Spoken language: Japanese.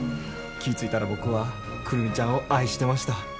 気ぃ付いたら僕は久留美ちゃんを愛してました。